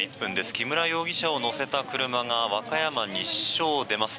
木村容疑者を乗せた車が和歌山西署を出ます。